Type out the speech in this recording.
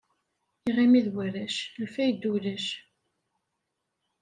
Iɣimi d warrac, lfayda ulac.